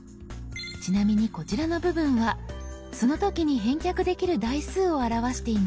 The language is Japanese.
ちなみにこちらの部分はその時に返却できる台数を表しています。